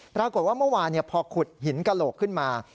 ปรากฏว่าเมื่อวานพอขุดหินกะโหลกขึ้นมา